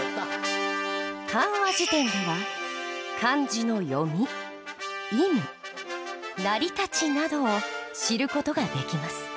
漢和辞典では「漢字の読み」「意味」「成り立ち」などを知る事ができます。